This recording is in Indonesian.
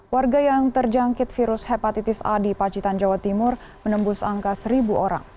warga yang terjangkit virus hepatitis a di pacitan jawa timur menembus angka seribu orang